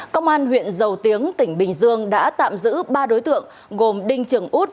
công an huyện dầu tiếng tỉnh bình dương đã tạm giữ ba đối tượng gồm đinh trường út